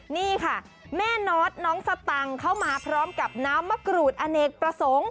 นี่ค่ะแม่นอทน้องสตังค์เข้ามาพร้อมกับน้ำมะกรูดอเนกประสงค์